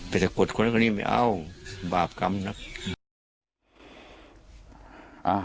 ไปสะกดคนนี้ไม่เอาบาปกรรมนะ